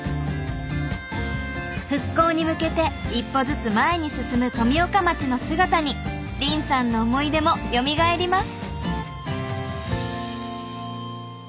復興に向けて一歩ずつ前に進む富岡町の姿に凜さんの思い出もよみがえります。